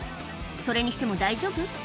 それにしても大丈夫？